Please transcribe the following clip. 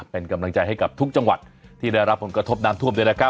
เป็นกำลังใจให้กับทุกจังหวัดที่ได้รับผลกระทบน้ำท่วมด้วยนะครับ